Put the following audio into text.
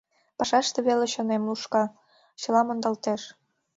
Пашаште веле чонем лушка, чыла мондалтеш.